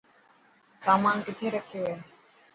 سامان ڪٿي رکيو هي.